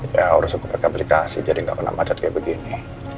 ya harus aku pake aplikasi jadi gak pernah macet kayak begini